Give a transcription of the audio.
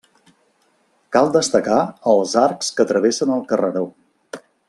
Cal destacar els arcs que travessen el carreró.